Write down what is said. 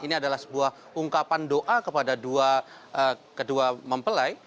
ini adalah sebuah ungkapan doa kepada kedua mempelai